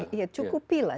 iya cukupi lah